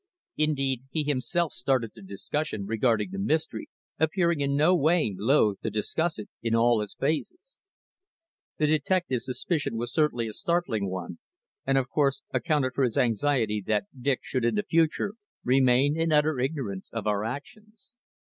Indeed, he himself started the discussion regarding the mystery, appearing in no way loth to discuss it in all its phases. The detective's suspicion was certainly a startling one, and of course accounted for his anxiety that Dick should in future remain in utter ignorance of our actions.